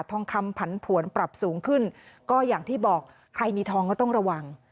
ทองคำผันผวนปรับสูงขึ้นก็อย่างที่บอกใครมีทองก็ต้องระวัง